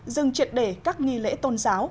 dừng triệt đề các nghi lễ tôn giáo